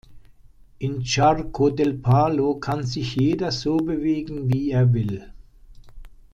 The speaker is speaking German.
In Charco del Palo kann sich jeder so bewegen, wie er will.